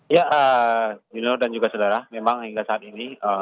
ya dino dan juga saudara memang hingga saat ini